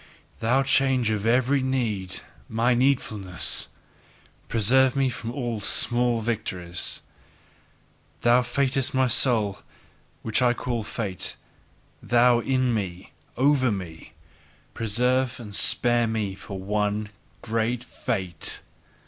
Thou change of every need, MY needfulness! Preserve me from all small victories! Thou fatedness of my soul, which I call fate! Thou In me! Over me! Preserve and spare me for one great fate!